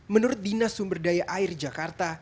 menurut dinas sumberdaya air jakarta